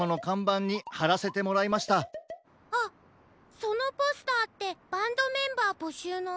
あっそのポスターってバンドメンバーぼしゅうの？